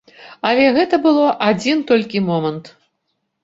Але гэта было адзін толькі момант.